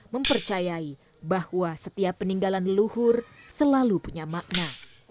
mempercayai bahwa setiap peninggalan leluhur selalu punya makna